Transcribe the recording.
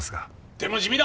でも地味だ！